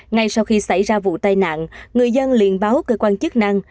ngay sau khi xảy ra vụ tai nạn người dân liên báo cơ quan chức năng